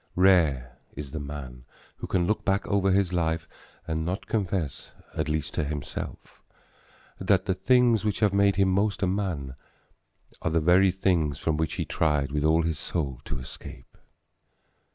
Rare is the man who can look back over his life and not confess, at least to himself, that the things which have made him most a man are the very things from which he tried with all his soul to escape.